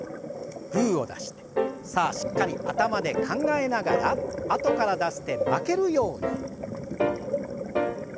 グーを出してさあしっかり頭で考えながらあとから出す手負けるように。